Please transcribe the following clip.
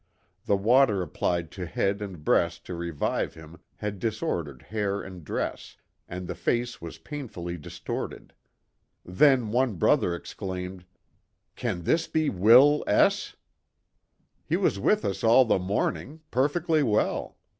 The water applied to head and breast to revive him had disordered hair and dress, and the face was pai nf ully distorted. Then one brother exclaimed :" Can this be Will S ! He was with us all the morning perfectly well.